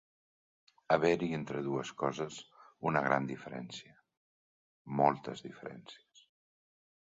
Haver-hi entre dues coses una gran diferència, moltes diferències.